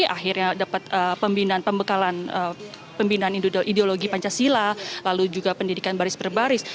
akhirnya dapat pembekalan pembinaan ideologi pancasila lalu juga pendidikan baris per baris